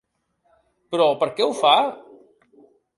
Però per què ho fa?